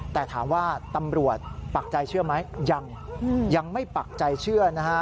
แต่ถามว่าตำรวจปักใจเชื่อไหมยังยังไม่ปักใจเชื่อนะฮะ